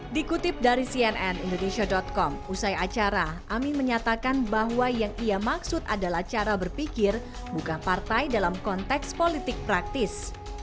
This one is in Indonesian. dikutip dari cnn indonesia com usai acara amin menyatakan bahwa yang ia maksud adalah cara berpikir bukan partai dalam konteks politik praktis